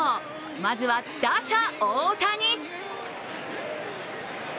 まずは打者・大谷。